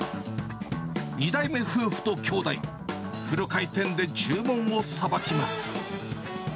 ２代目夫婦と兄弟、フル回転で注文をさばきます。